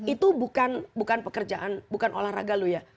itu bukan pekerjaan bukan olahraga loh ya